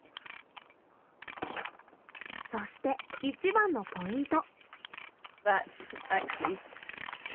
そして一番のポイント。